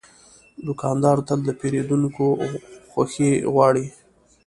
دوکاندار تل د پیرودونکو خوښي غواړي.